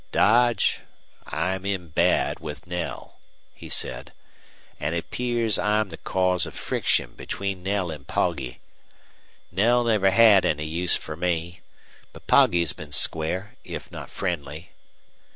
"Dodge, I'm in bad with Knell," he said. "An' it 'pears I'm the cause of friction between Knell an' Poggy. Knell never had any use fer me, but Poggy's been square, if not friendly.